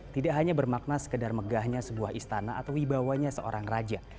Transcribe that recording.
tidak hanya bermakna sekedar megahnya sebuah istana atau wibawanya seorang raja